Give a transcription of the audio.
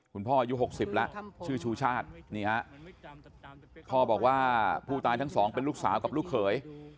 คุณพ่ออายุ๖๐แล้วชื่อชูชาตินี่ฮะพ่อบอกว่าผู้ตายทั้งสองเป็นลูกสาวกับลูกเขย